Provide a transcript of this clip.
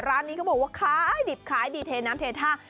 ร้านนี้เขาบอกว่าขายดิบขายดีเทน้ำเทท่า